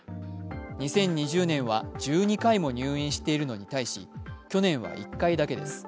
２０２０年は１２回も入院しているのに対し、去年は１回だけです。